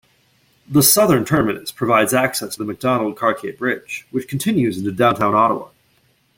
The southern terminus provides access to the Macdonald-Cartier Bridge, which continues into downtown Ottawa.